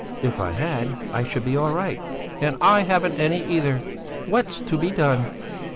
"If I had I should be all right." "And I haven't any either! What's to be done?"